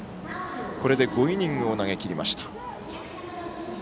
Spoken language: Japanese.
これで５イニングを投げきりました。